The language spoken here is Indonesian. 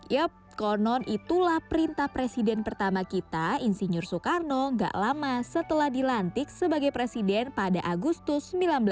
yop konon itulah perintah presiden pertama kita insinyur soekarno gak lama setelah dilantik sebagai presiden pada agustus seribu sembilan ratus empat puluh